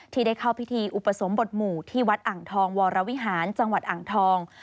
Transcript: ที่ได้เข้าพิธีอุปสมบทหมู่ที่วัดอ่างทองวรวิหารจังหวัดอ่างทอง